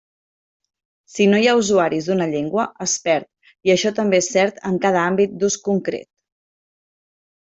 Si no hi ha usuaris d'una llengua, es perd, i això també és cert en cada àmbit d'ús concret.